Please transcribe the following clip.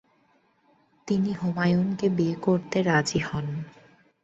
তিনি হুমায়ুনকে বিয়ে করতে রাজি হন।